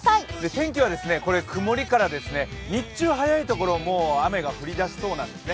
天気は曇りから、日中、早い所は雨が降りだしそうです。